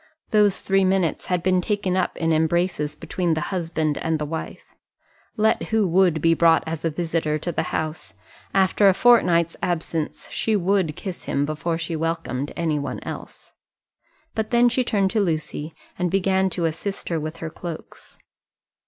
Those three minutes had been taken up in embraces between the husband and the wife. Let who would be brought as a visitor to the house, after a fortnight's absence, she would kiss him before she welcomed any one else. But then she turned to Lucy, and began to assist her with her cloaks.